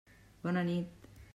Bona nit.